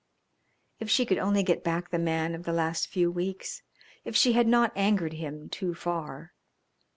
If she could only get back the man of the last few weeks, if she had not angered him too far.